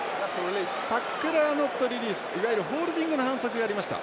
タックラーノットリリースホールディングの反則がありました。